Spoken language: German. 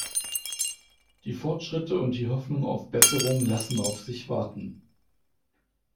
Die Fortschritte und die Hoffnung auf Besserung lassen auf sich warten.